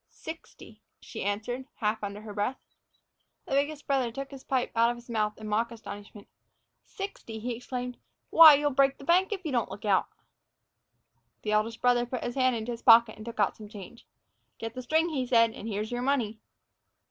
"Sixty," she answered, half under her breath. The biggest brother took his pipe out of his mouth in mock astonishment. "Sixty!" he exclaimed. "Why, geewhitaker! you'll break the bank if you don't look out!" The eldest brother put his hand into his pocket and took out some change. "Get the string," he said, "and here's your money."